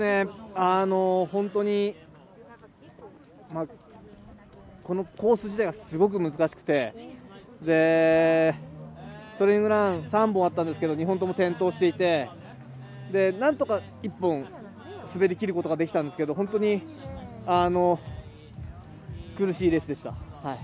本当に、このコース自体がすごく難しくてトレーニングランが３本あったんですけども２本とも転倒していてなんとか１本滑りきることができたんですけど本当に苦しいレースでした。